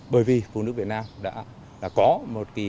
bởi vì phụ nữ việt nam đã có một tổ chức này